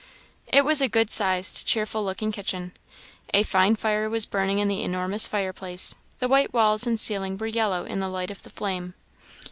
It was a good sized, cheerful looking kitchen. A fine fire was burning in the enormous fire place; the white walls and ceiling were yellow in the light of the flame.